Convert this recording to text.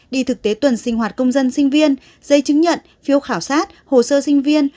đi thực tế tuần sinh hoạt công dân sinh viên dây chứng nhận phiếu khảo sát hồ sơ sinh viên